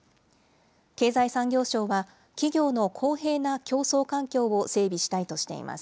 経済産業省は企業の公平な競争環境を整備したいとしています。